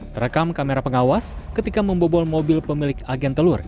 terekam kamera pengawas ketika membobol mobil pemilik agen telur